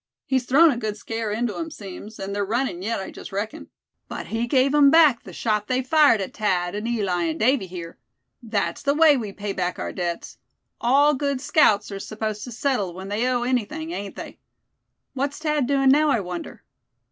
He's thrown a good scare into 'em, seems; and they're running yet, I just reckon; but he gave 'em back the shot they fired at Thad and Eli and Davy here. That's the way we pay back our debts. All good scouts are supposed to settle when they owe anything, ain't they? What's Thad doing now, I wonder?"